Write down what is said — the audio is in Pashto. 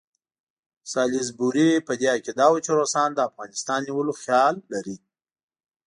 سالیزبوري په دې عقیده وو چې روسان د افغانستان نیولو خیال لري.